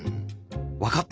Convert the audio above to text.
「わかった！」。